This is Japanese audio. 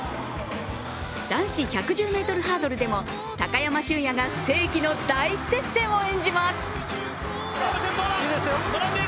男子１１０ｍハードルでも高山峻野が世紀の大接戦を演じます。